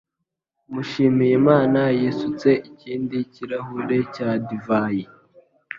Mushimiyimana yisutse ikindi kirahure cya divayi.